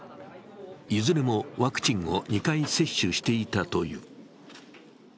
いずれもワクチンを２回接種していたという。